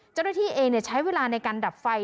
เจ้าหน้าที่เองใช้เวลาในการดับไฟ